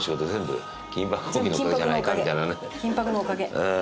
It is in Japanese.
金箔のおかげ。